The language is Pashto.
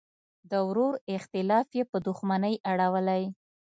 د ورور اختلاف یې په دوښمنۍ اړولی.